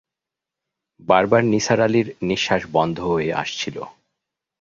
বারবার নিসার আলির নিঃশ্বাস বন্ধ হয়ে আসছিল।